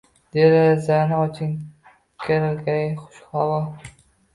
Derazani oching – kirgay xush havo.